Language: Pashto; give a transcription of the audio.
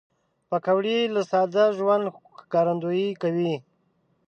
پکورې له ساده ژوند ښکارندويي کوي